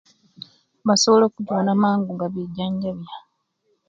Basobola okubona mangu nga bejanjabiya